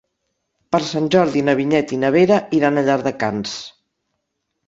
Per Sant Jordi na Vinyet i na Vera iran a Llardecans.